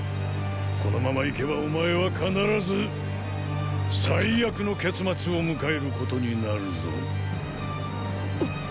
このままいけばお前は必ず最悪の結末を迎えることになるぞ。！